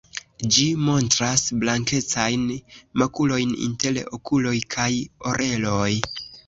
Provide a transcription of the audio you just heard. Ĝi montras blankecajn makulojn inter okuloj kaj oreloj.